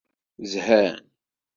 Zhan.